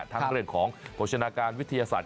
ทั้งเรื่องของโภชนาการวิทยาศาสต